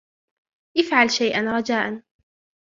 إفعل شيئاً, رجاءً.